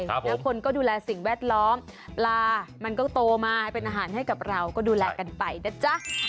แล้วคนก็ดูแลสิ่งแวดล้อมปลามันก็โตมาเป็นอาหารให้กับเราก็ดูแลกันไปนะจ๊ะ